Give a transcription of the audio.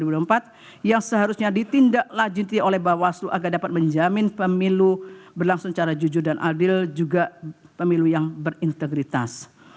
pertama di tahun dua ribu empat yang seharusnya ditindaklah jentia oleh bawaslu agar dapat menjamin pemilu berlangsung cara jujur dan adil juga pemilu yang berintegritas